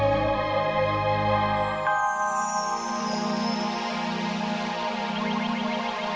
gak buat nyuluk picture